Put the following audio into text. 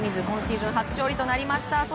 今シーズン初勝利となりました。